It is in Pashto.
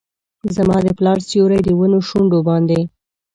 زما د پلار سیوري ، د ونو شونډو باندې